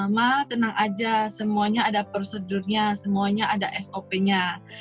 ma tenang aja semuanya ada prosedurnya semuanya ada sop nya